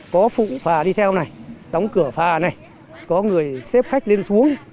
có phụ phà đi theo này đóng cửa phà này có người xếp khách lên xuống